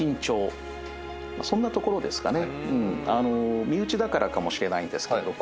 そんなところですかね。